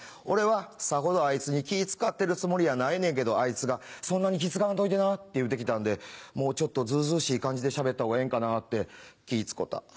俺はさほどあいつに気ぃ使ってるつもりはないねんけどあいつが「そんなに気ぃ使わんといてな」って言うて来たんでもうちょっとずうずうしい感じでしゃべったほうがええんかなぁって気ぃ使た。